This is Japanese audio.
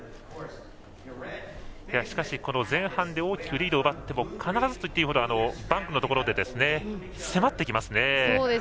しかし前半で大きくリードを奪っても必ずと言っていいほどバンクのところで迫ってきますね。